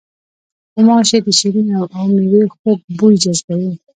غوماشې د شریني او میوې خوږ بوی جذبوي.